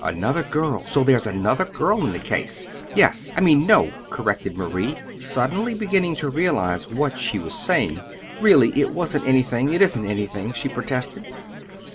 "Another girl! So there's another girl in the case?" "Yes. I mean, no," corrected Marie, suddenly beginning to realize what she was saying. "Really, it wasn't anything it isn't anything!" she protested.